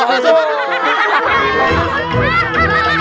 aduh aduh aduh